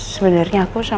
sebenarnya aku sama